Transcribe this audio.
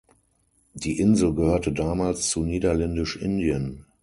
Die Insel gehörte damals zu Niederländisch-Indien.